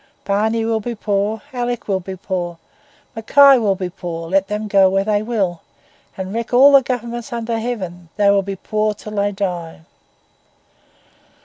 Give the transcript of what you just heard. Barney will be poor, Alick will be poor, Mackay will be poor; let them go where they will, and wreck all the governments under heaven, they will be poor until they die.